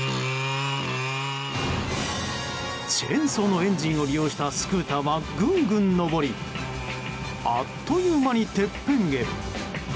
チェーンソーのエンジンを利用したスクーターはぐんぐん登りあっという間にてっぺんへ。